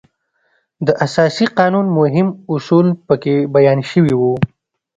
د اساسي قانون مهم اصول په کې بیان شوي وو.